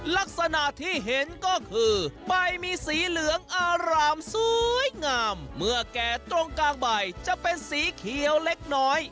ลักษณะที่เห็นก็คือใบมีสีเหลืองอารามสวยงามเมื่อแก่ตรงกลางใบจะเป็นสีเขียวเล็กน้อย